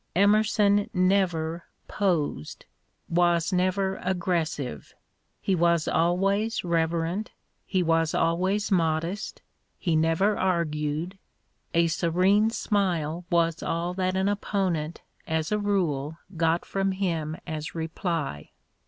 Emerson never " posed," was never aggressive ; he was always reverent, he was always modest, he never argued, a serene smile was all that an opponent as a rule got from him as reply.